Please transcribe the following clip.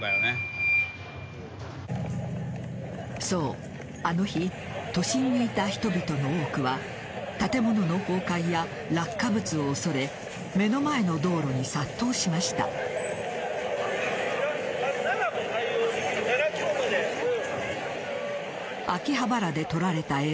そう、あの日都心にいた人々の多くは建物の崩壊や落下物を恐れ目の前の道路に殺到しました。